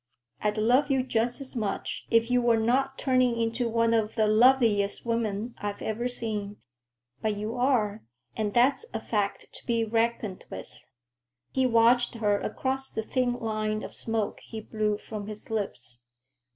I'd love you just as much if you were not turning into one of the loveliest women I've ever seen; but you are, and that's a fact to be reckoned with." He watched her across the thin line of smoke he blew from his lips.